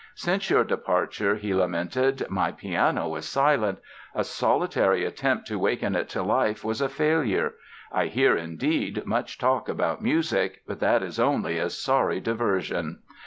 "Since your departure", he lamented, "my piano is silent. A solitary attempt to waken it to life was a failure. I hear, indeed, much talk about music but that is only a sorry diversion".